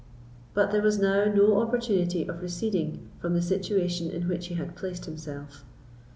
But there was now no opportunity of receding from the situation in which he had placed himself.